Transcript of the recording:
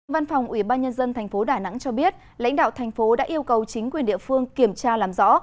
văn phòng ủy ban nhân dân tp đà nẵng cho biết lãnh đạo thành phố đã yêu cầu chính quyền địa phương kiểm tra làm rõ